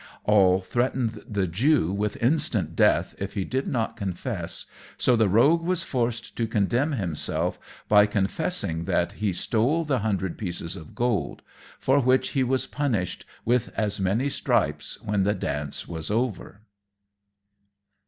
All threatened the Jew with instant death if he did not confess; so the rogue was forced to condemn himself by confessing that he stole the hundred pieces of gold; for which he was punished with as many stripes, when the dance was over.